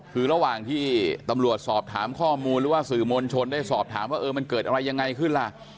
คือระหว่างที่ตำรวจสอบถามข้อมูลหรือว่าสื่อมวลชนได้สอบถามว่าเออมันเกิดอะไรยังไงขึ้นล่ะ